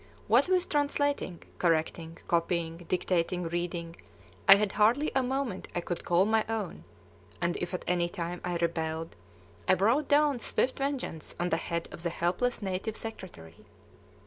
What with translating, correcting, copying, dictating, reading, I had hardly a moment I could call my own; and if at any time I rebelled, I brought down swift vengeance on the head of the helpless native secretary.